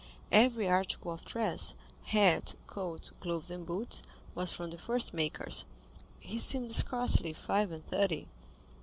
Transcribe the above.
Every article of dress—hat, coat, gloves, and boots—was from the first makers. He seemed scarcely five and thirty.